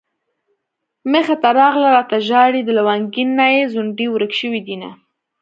مخې ته راغله راته ژاړي د لونګين نه يې ځونډي ورک شوي دينه